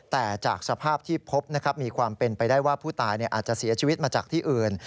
แต่จากสภาพที่พบนะครับมีความเป็นไปได้ว่าผู้ตายอาจจะเสียชีวิตมาจากที่อื่น